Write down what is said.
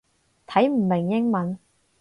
睇唔明英文